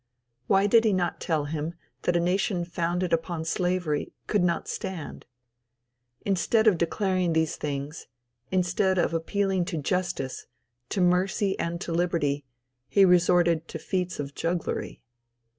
Why did he not tell him that a nation founded upon slavery could not stand? Instead of declaring these things, instead of appealing to justice, to mercy and to liberty, he resorted to feats of jugglery.